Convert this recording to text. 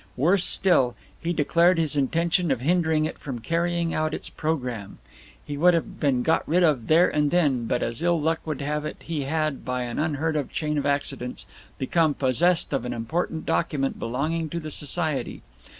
Worse still, he declared his intention of hindering it from carrying out its programme. He would have been got rid of there and then, but as ill luck would have it he had, by an unheard of chain of accidents, become possessed of an important document belonging to the society.